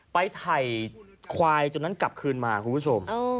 ไปไถ่ควายจนนั้นกลับคืนมาคุณผู้ชมเออ